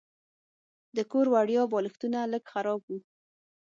د کور وړیا بالښتونه لږ خراب وو.